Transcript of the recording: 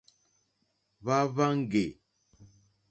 Hwá hwáŋɡè.